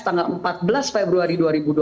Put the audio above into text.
tanggal empat belas februari dua ribu dua puluh